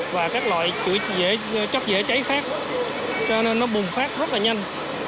và các loại chất dễ cháy khác cho nên nó bùng phát rất là nhanh